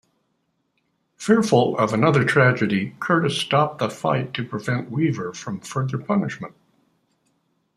Fearful of another tragedy, Curtis stopped the fight to prevent Weaver from further punishment.